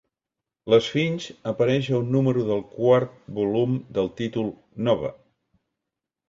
L'esfinx apareix a un número del quart volum del títol "Nova".